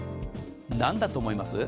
なんだと思います？